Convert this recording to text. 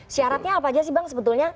syaratnya apa aja sih bang sebetulnya